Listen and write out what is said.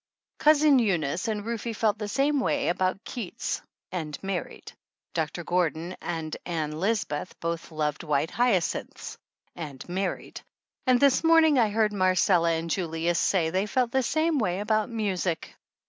Cousin Eunice and Rufe felt the same way about Keats and married. Doctor Gordon and Ann Lisbeth both loved white hyacinths and married, and this morning I heard Marcella and Julius say they felt the same way about music.